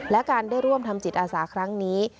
และการได้ร่วมทำจิตอาสาครั้งนี้